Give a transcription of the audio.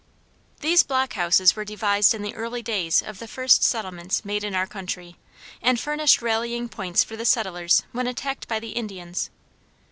These block houses were devised in the early days of the first settlements made in our country, and furnished rallying points for the settlers when attacked by the Indians.